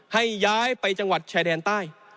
ให้ย้ายไปจังหวัดชายแดนใต้